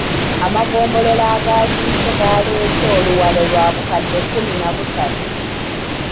Amagombolola agakiise galeese oluwalo lwa bukadde kkumi na busatu.